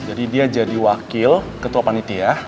jadi dia jadi wakil ketua panitia